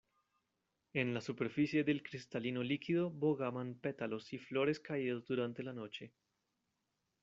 En la superficie del cristalino líquido bogaban pétalos y flores caídos durante la noche.